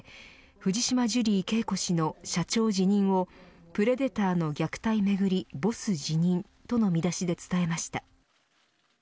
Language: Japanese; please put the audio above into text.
藤島ジュリー景子氏の社長辞任をプレデターの虐待めぐりボス辞任との見出しで伝えました。